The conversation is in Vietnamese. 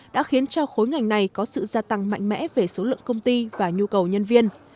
đã khiến cho khối ngành này có sự gia tăng mạnh mẽ về số lượng công ty và nhu cầu nhân viên